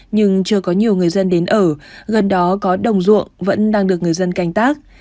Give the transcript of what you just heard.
nhưng chưa có nhiều người dân đến ở gần đó có đồng ruộng vẫn đang được người dân canh tác